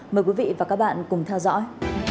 mời quý vị và các bạn cùng theo dõi